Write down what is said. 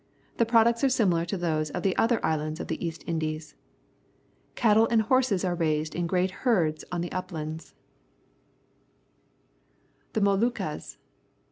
The products are similar to those of the other islands of the East Indies. Cattle and horses are raised in great herds on the uplands. The Moluccas.